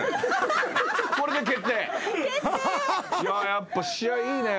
やっぱ試合いいね。